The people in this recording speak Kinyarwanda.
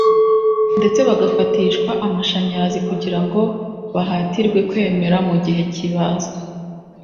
ndetse bagafatishwa amashanyarazi kugira ngo bahatirwe kwemera mu gihe cy’ibazwa